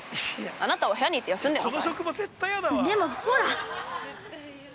あなたは部屋に行って休んでなさい。